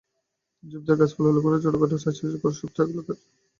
ঝোপঝাড় গাছপালা, উলুখড়ের চাউনি, ছোটখাটো চাষীদের ঘর সব একাকার করিয়া দিতেছে!